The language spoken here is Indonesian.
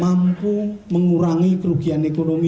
mampu mengurangi kerugian ekonomi